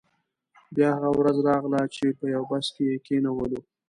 بیا هغه ورځ راغله چې په یو بس کې یې کینولو.